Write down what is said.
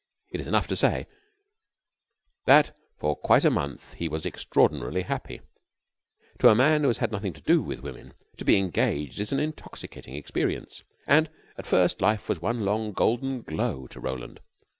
It is enough to say that for quite a month he was extraordinarily happy. To a man who has had nothing to do with women, to be engaged is an intoxicating experience, and at first life was one long golden glow to Roland.